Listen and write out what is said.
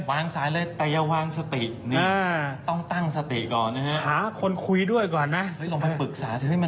วางสายเลยแต่ยังวางสติต้องตั้งสติก่อนนะฮะ